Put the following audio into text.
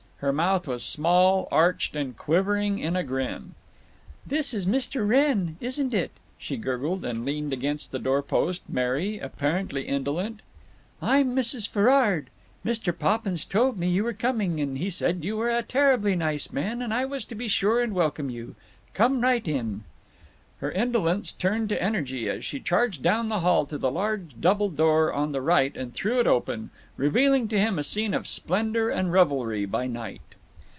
Her mouth was small, arched, and quivering in a grin. "This is Mr. Wrenn, isn't it?" she gurgled, and leaned against the doorpost, merry, apparently indolent. "I'm Mrs. Ferrard. Mr. Poppins told me you were coming, and he said you were a terribly nice man, and I was to be sure and welcome you. Come right in." Her indolence turned to energy as she charged down the hall to the large double door on the right and threw it open, revealing to him a scene of splendor and revelry by night.